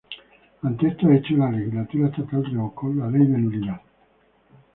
Ante estos hechos la legislatura estatal revocó la ley de nulidad.